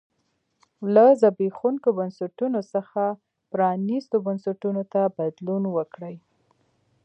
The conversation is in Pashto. له زبېښونکو بنسټونو څخه پرانیستو بنسټونو ته بدلون وکړي.